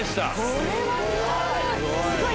これはすごい！